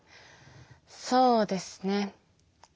そうですね。